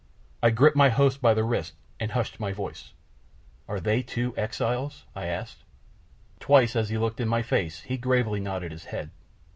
I gripped my host by the wrist and hushed my voice. "Are they too exiles?" I asked. Twice as he looked in my face he gravely nodded his head.